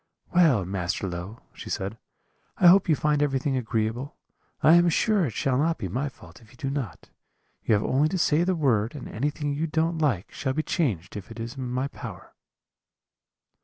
"'Well, Master Low,' she said, 'I hope you find everything agreeable; I am sure it shall not be my fault if you do not; you have only to say the word and anything you don't like shall be changed, if it is in my power.'